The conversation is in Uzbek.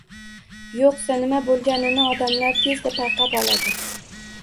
Yoʻqsa, nima boʻlganini odamlar tezda payqab oladi